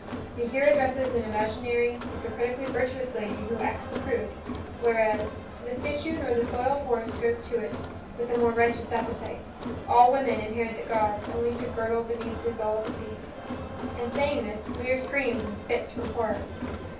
He here addresses an imaginary hypocritically virtuous lady who acts the prude, whereas "The fitchew nor the soiled horse goes to't With a more riotous appetite. All women inherit the gods only to the girdle Beneath is all the fiend's" and, saying this, Lear screams and spits from horror.